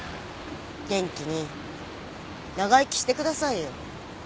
元気に長生きしてくださいよ。